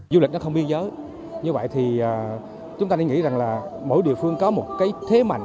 du lịch nó không biên giới như vậy thì chúng ta nên nghĩ rằng là mỗi địa phương có một cái thế mạnh